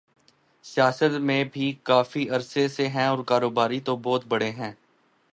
سیاست میں بھی کافی عرصے سے ہیں اور کاروباری تو بہت بڑے ہیں۔